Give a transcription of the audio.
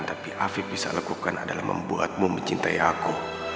tapi afib bisa lakukan adalah membuatmu mencintai aku